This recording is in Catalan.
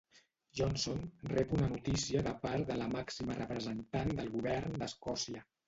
Johnson rep una notícia de part de la màxima representant del govern d'Escòcia